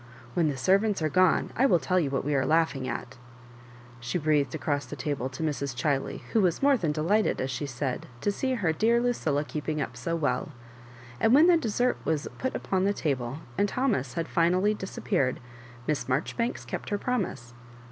"When the servants are gone I will tell you what we are laughing at," she breathed across the table to Mrs. Chiley, who was more than delighted," as she said, to see her dear Lucilla keeping up so well ; and when the dessert was put upon the iable, and Thomas had finally disap peared. Miss Maijoribanks kept her promise.